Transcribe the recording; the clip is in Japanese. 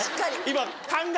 今。